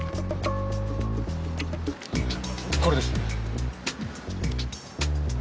これです。